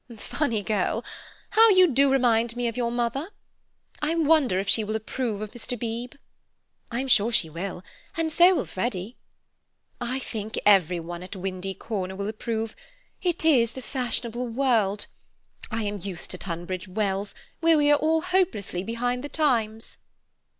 "Funny girl! How you do remind me of your mother. I wonder if she will approve of Mr. Beebe." "I'm sure she will; and so will Freddy." "I think everyone at Windy Corner will approve; it is the fashionable world. I am used to Tunbridge Wells, where we are all hopelessly behind the times."